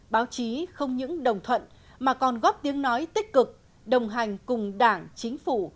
báo chí không những đồng thuận mà còn góp tiếng nói tích cực đồng hành cùng đảng chính phủ